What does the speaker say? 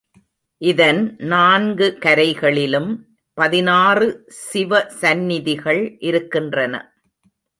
இதன் நான்கு கரைகளிலும் பதினாறு சிவ சந்நிதிகள் இருக்கின்றன.